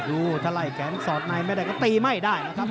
ดูถ้าไล่แขนสอดในไม่ได้ก็ตีไม่ได้นะครับ